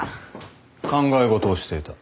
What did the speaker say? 考え事をしていた。